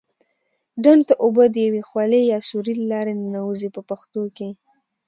ډنډ ته اوبه د یوې خولې یا سوري له لارې ننوزي په پښتو کې.